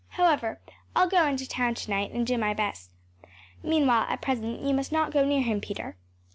However, I’ll go into town to night and do my best. Meanwhile, at present, you must not go near him, Peter.